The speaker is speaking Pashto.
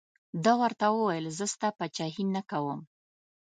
ده ورته وویل زه ستا پاچهي نه کوم.